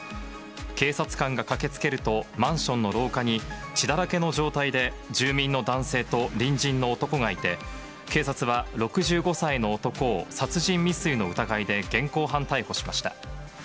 警察官が駆けつけると、マンションの廊下に血だらけの状態で、住民の男性と隣人の男がいて、警察は６５歳の男を殺人未遂の疑いで現行犯逮捕しました。